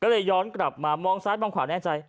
ก็เลยย้อนกลับมามองซ้ายมองขวาแน่ใจ